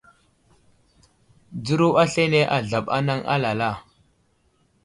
Dzəro aslane azlaɓ anaŋ alala.